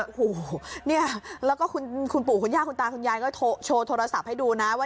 โอ้โหเนี่ยแล้วก็คุณปู่คุณย่าคุณตาคุณยายก็โชว์โทรศัพท์ให้ดูนะว่า